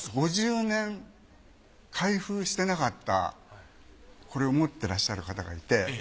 ５０年開封してなかったこれを持っていらっしゃる方がいて。